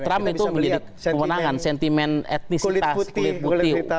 trump itu kemenangan sentimen etnisitas kulit putih